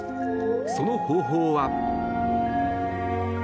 その方法は。